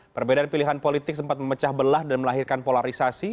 perbedaan pilihan politik sempat memecah belah dan melahirkan polarisasi